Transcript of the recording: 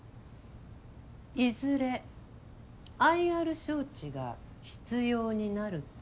いずれＩＲ招致が必要になると？